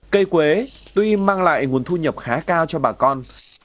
cây quế tuy mang lại nguồn thu nhập khá cao cho bà con